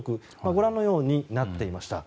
ご覧のようになっていました。